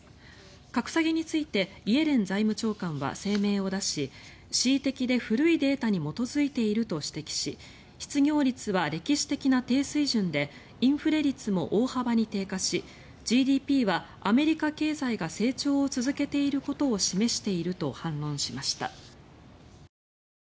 格下げについてイエレン財務長官は声明を出し恣意的で古いデータに基づいていると指摘し失業率は歴史的な低水準でインフレ率も大幅に低下しＧＤＰはアメリカ経済が成長を続けていることを示していると反論しました。